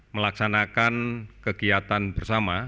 melaksanakan kegiatan bersama